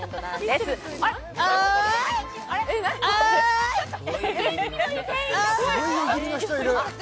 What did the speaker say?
すごい湯きりの人いる。